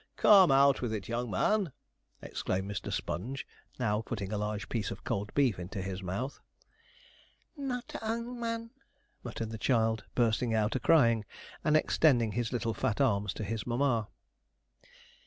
'Come, out with it, young man!' exclaimed Mr. Sponge, now putting a large piece of cold beef into his mouth. 'Not a 'ung man,' muttered the child, bursting out a crying, and extending his little fat arms to his mamma.